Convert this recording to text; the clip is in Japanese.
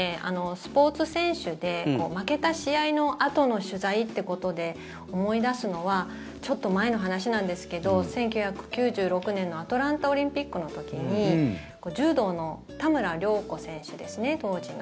スポーツ選手で負けた試合のあとの取材ということで思い出すのはちょっと前の話なんですけど１９９６年のアトランタオリンピックの時に柔道の田村亮子選手ですね当時の。